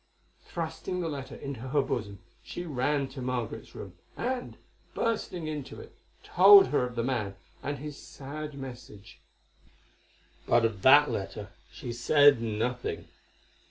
Thrusting the letter into her bosom she ran to Margaret's room, and, bursting into it, told her of the man and his sad message. But of that letter she said nothing.